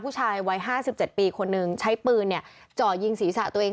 ผู้ชายวัย๕๗ปีคนนึงใช้ปืนจ่อยิงศีรษะตัวเอง